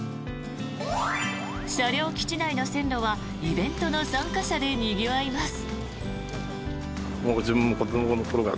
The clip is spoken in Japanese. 車両基地内の線路はイベントの参加者でにぎわいます。